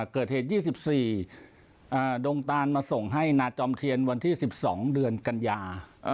เกิดเหตุ๒๔ดงตานมาส่งให้นาจอมเทียนวันที่๑๒เดือนกันยา